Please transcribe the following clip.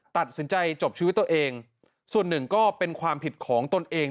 ตัดสินใจจบชีวิตตัวเองส่วนหนึ่งก็เป็นความผิดของตนเอง